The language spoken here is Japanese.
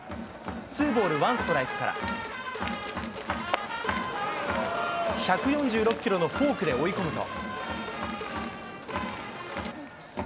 ツーボールワンストライクから、１４６キロのフォークで追い込むと。